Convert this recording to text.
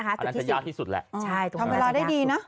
อันนั้นจะยากที่สุดแหละ